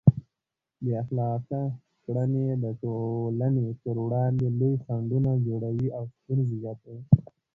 بې اخلاقه کړنې د ټولنې پر وړاندې لوی خنډونه جوړوي او ستونزې زیاتوي.